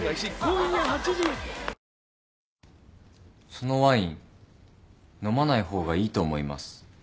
そのワイン飲まない方がいいと思います。